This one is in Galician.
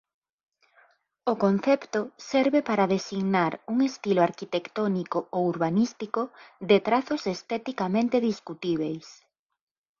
O concepto serve para designar un estilo arquitectónico ou urbanístico de trazos esteticamente discutíbeis.